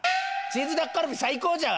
チーズタッカルビ最高じゃ！